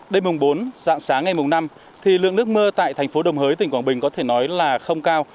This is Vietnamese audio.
đêm mùng bốn dạng sáng ngày mùng năm thì lượng nước mưa tại thành phố đồng hới tỉnh quảng bình có thể nói là không cao